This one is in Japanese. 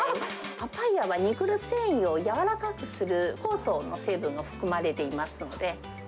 パパイアは肉の繊維を軟らかくする酵素の成分が含まれていますので。